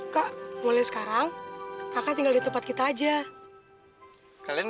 ken kamu mau tau semuanya kan